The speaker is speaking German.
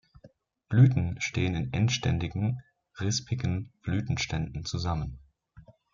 Blüten stehen in endständigen, rispigen Blütenständen zusammen.